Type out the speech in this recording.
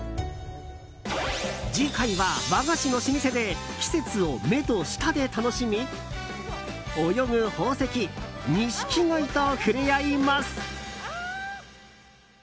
次回は和菓子の老舗で季節を目と舌で楽しみ泳ぐ宝石・錦鯉と触れ合います。